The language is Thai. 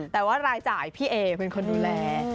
แต่ว่ารายจ่ายพี่เอเป็นคนดูแล